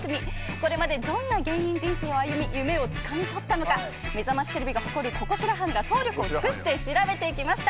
これまでどんな芸人人生を歩み夢をつかみとったのかめざましテレビが誇るココ調班が総力を尽くして調べてきました。